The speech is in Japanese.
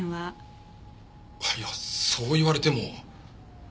いやそう言われても。